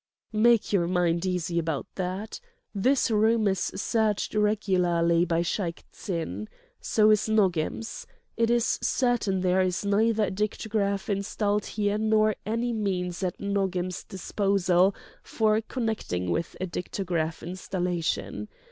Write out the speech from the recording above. "Make your mind easy about that. This room is searched regularly by Shaik Tsin. So is Nogam's. It is certain there is neither a dictograph installed here nor any means at Nogam's disposal for connecting with a dictograph installation.